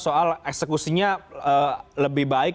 soal eksekusinya lebih baik